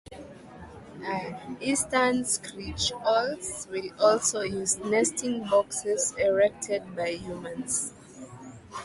Eastern screech owls will also use nesting boxes erected by humans.